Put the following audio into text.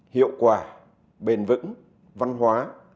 hiệu quả bền vững văn hóa